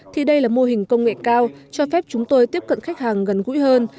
thì đây là mô hình công nghệ cao cho phép chúng tôi tiếp cận khách hàng gần gũi hơn